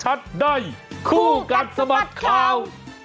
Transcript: คู่กันสะบัดคราวคู่กันสะบัดคราว